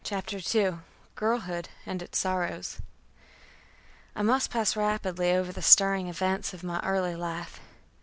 CHAPTER II GIRLHOOD AND ITS SORROWS I must pass rapidly over the stirring events of my early life.